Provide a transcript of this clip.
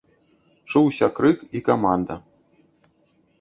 Чуўся крык і каманда.